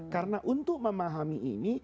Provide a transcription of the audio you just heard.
karena untuk memahami ini